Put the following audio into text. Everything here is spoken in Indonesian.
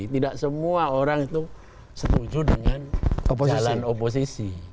tidak semua orang itu setuju dengan jalan oposisi